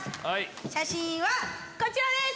写真はこちらです。